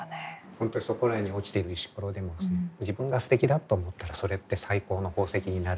本当そこらに落ちてる石ころでも自分がすてきだと思ったらそれって最高の宝石になるという。